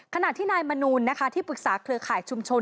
ขณะที่นายมนูลที่ปรึกษาเครือข่ายชุมชน